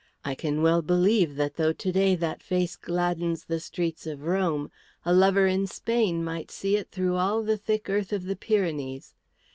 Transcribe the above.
I can well believe that though to day that face gladdens the streets of Rome, a lover in Spain might see it through all the thick earth of the Pyrenees.